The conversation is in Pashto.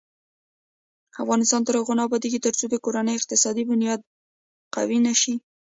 افغانستان تر هغو نه ابادیږي، ترڅو د کورنۍ اقتصادي بنیادي قوي نشي.